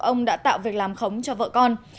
ông đã tạo việc làm khống cho vợ con